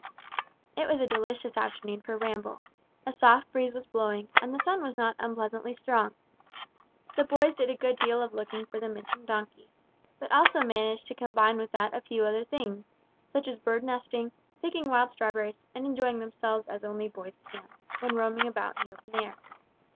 It was a delicious afternoon for a ramble; a soft breeze was blowing, and the sun was not unpleasantly strong. The boys did a good deal of looking for the missing donkey, but also managed to combine with that a few other things, such as bird nesting, picking wild strawberries, and enjoying themselves as only boys can, when roaming about in the open air.